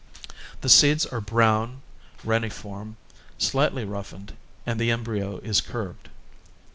The seeds are brown, reniform, slightly roughened, and the embryo is curved.